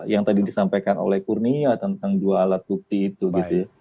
yang tadi disampaikan oleh kurnia tentang dua alat bukti itu gitu ya